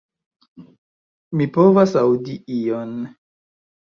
Mi povas aŭdi ion...